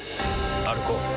歩こう。